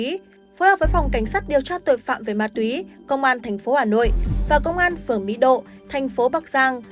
phối hợp với phòng cảnh sát điều tra tội phạm về ma túy công an thành phố hà nội và công an phường mỹ độ thành phố bắc giang